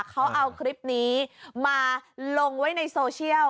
เขาเอาคลิปนี้มาลงไว้ในโซเชียล